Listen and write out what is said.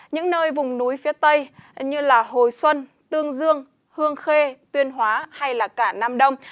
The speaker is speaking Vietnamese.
những nơi vùng núi phía tây như hồi xuân tương dương hương khê tuyên hóa hay là cả nam đông